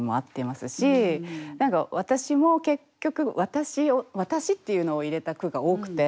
何か私も結局「私」っていうのを入れた句が多くて。